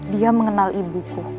dia mengenal ibuku